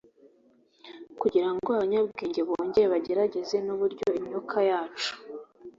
kugirango abanyabwenge bongere bagerageze; nuburyo imyuka yacu